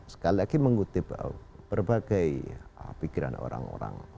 sekali lagi mengutip berbagai pikiran orang orang